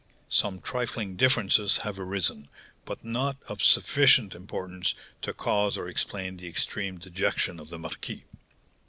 Some trifling differences have arisen, but not of sufficient importance to cause or explain the extreme dejection of the marquis."